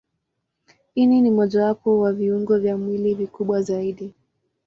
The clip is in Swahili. Ini ni mojawapo wa viungo vya mwili vikubwa zaidi.